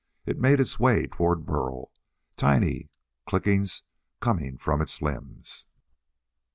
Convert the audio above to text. It made its way toward Burl, tiny clickings coming from its limbs.